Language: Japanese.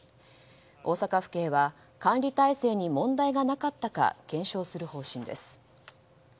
大阪府警は管理体制に問題がなかったか検証する方針です。